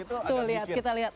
tuh lihat kita lihat